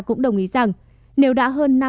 cũng đồng ý rằng nếu đã hơn năm